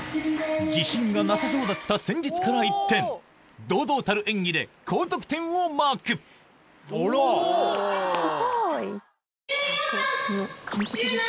自信がなさそうだった先日から一転堂々たる演技で高得点をマークすごい！